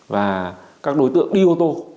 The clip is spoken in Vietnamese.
và các đối tượng đi ô tô